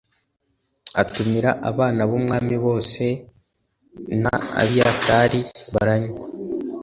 atumira abana b umwami bose na abiyatari baranywa